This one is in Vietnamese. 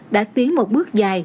đã tiến một bước dài